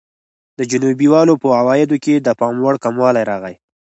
د جنوبي والو په عوایدو کې د پاموړ کموالی راغی.